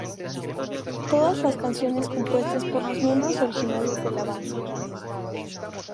Todas las canciones compuestas por los miembros originales de la banda.